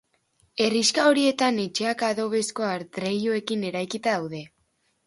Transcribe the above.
Herrixka horietan etxeak adobezko adreiluekin eraikita daude.